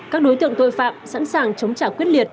các đối tượng tội phạm sẵn sàng chống trả quyết liệt